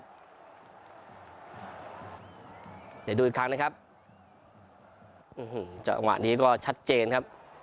เดี๋ยวดูอีกครั้งนะครับจังหวะนี้ก็ชัดเจนครับ